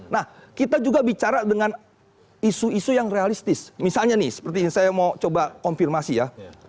nah kita juga bicara dengan isu isu yang realistis misalnya nih seperti saya mau coba konfirmasi ya